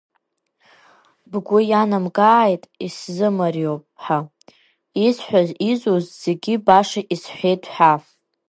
Бгәы иаанамгааит, исзымариоуп ҳәа, Исҳәаз, изуз зегь баша исҳәеит ҳәа.